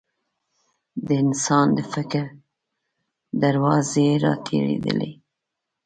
د انسان د فکر دروازې راتېرېدلې.